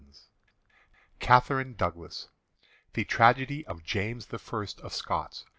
VI CATHERINE DOUGLAS THE TRAGEDY OF JAMES I. OF SCOTS.